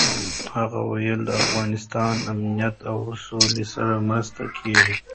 هغه ویلي، د افغانستان امنیت او سولې سره مرسته کېږي.